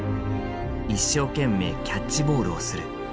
「一生けんめいキャッチボールをする」。